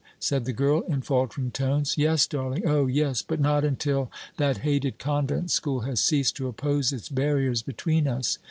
said the girl, in faltering tones. "Yes, darling, oh! yes; but not until that hated convent school has ceased to oppose its barriers between us.